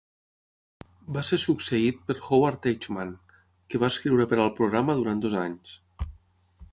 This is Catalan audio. Va ser succeït per Howard Teichmann, que va escriure per al programa durant dos anys.